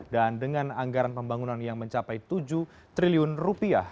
dan dengan anggaran pembangunan yang mencapai tujuh triliun rupiah